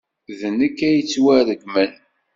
D nekk ay yettwaregmen.